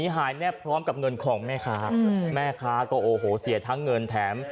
หายแนบพร้อมกับเงินของแม่ค้าแม่ค้าก็โอ้โหเสียทั้งเงินแถม